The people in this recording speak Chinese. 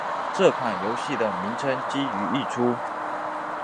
这款游戏的名称基于一出。